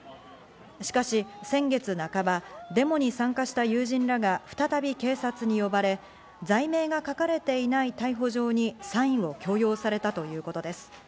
しかし先月半ば、デモに参加した友人らが再び警察に呼ばれ、罪名が書かれていない逮捕状にサインを強要されたということです。